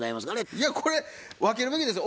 いやこれ分けるべきですよ。